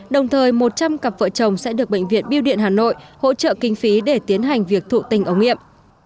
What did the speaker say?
đồng thời một trăm linh cặp vợ chồng sẽ được bệnh viện biêu điện hà nội hỗ trợ kinh phí để tiến hành việc thụ tình ống nghiệm